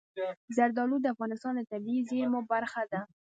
زردالو د افغانستان د طبیعي زیرمو برخه ده.